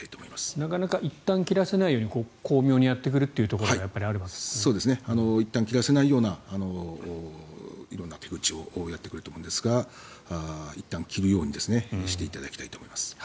なかなかいったん切らせないように巧妙にやってくるというところがいったん切らせないような色んな手口をやってくると思うんですがいったん切るようにしていただきたいと思います。